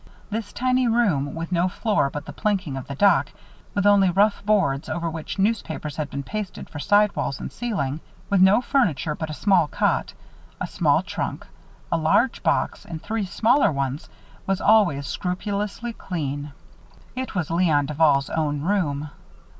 This tiny room, with no floor but the planking of the dock, with only rough boards, over which newspapers had been pasted, for sidewalls and ceiling; with no furniture but a single cot, a small trunk, a large box and three smaller ones, was always scrupulously clean. It was Léon Duval's own room.